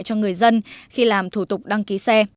cho người dân khi làm thủ tục đăng ký xe